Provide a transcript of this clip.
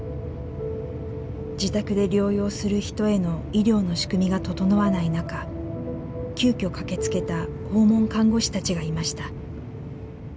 自宅で療養する人への医療の仕組みが整わない中急きょ駆けつけた訪問看護師たちがいました。